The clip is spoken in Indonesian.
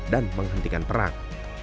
dan menghentikan perang